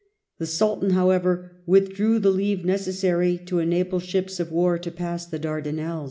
The Sultan, however, withheld the leave necessary to enable ships of war to pass the Dardanelles.